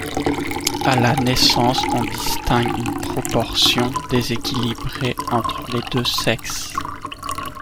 A la naissance, on distingue une proportion déséquilibrée entre les deux sexes.